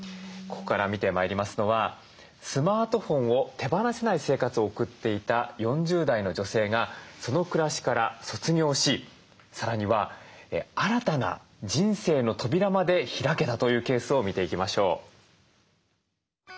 ここから見てまいりますのはスマートフォンを手放せない生活を送っていた４０代の女性がその暮らしから卒業しさらには新たな人生の扉まで開けたというケースを見ていきましょう。